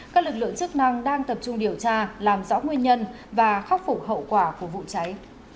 các lực lượng chức năng đang tập trung điều tra làm rõ nguyên nhân và khắc phục hậu quả của vụ cháy